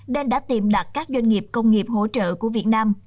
nên đã tìm đặt các doanh nghiệp công nghiệp hỗ trợ của việt nam